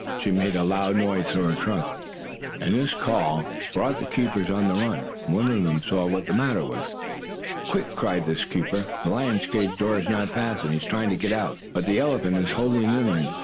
She made a loud noise through her trunk, and this call brought the keepers on the run. One of them saw what the matter was. "Quick!" cried this keeper. "The lion's cage door is not fastened. He is trying to get out, but the elephant is holding him in.